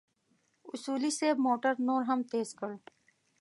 اصولي صیب موټر نور هم تېز کړ.